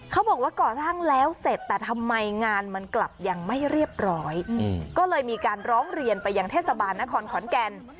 เขาบอกว่าก่อสร้างแล้วเสร็จแต่ทำไมงานมันกลับยังไม่เรียบร้อยก็เลยมีการร้องเรียนไปยังเทศบาลนครขอนแก่น